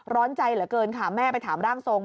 ร้อนใจเหลือเกินค่ะแม่ไปถามร่างทรง